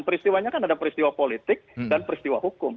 peristiwanya kan ada peristiwa politik dan peristiwa hukum